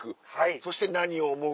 そして何を思う？